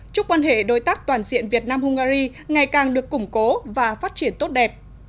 chúc quan hệ đối tác toàn diện việt nam hungary ngày càng được củng cố và phát triển tốt đẹp